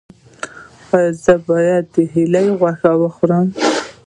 ایا زه باید د هیلۍ غوښه وخورم؟